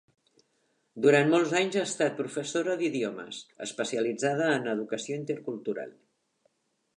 Durant molts anys ha estat professora d'idiomes, especialitzada en educació intercultural.